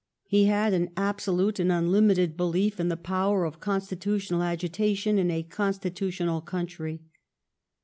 He had an absolute and unlimited belief in the power of consti tutional agita tion in a consti tutional coun try.